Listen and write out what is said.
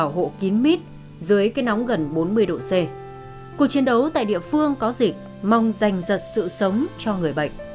họ là những y bác sĩ nơi tuyến đẩu chống dịch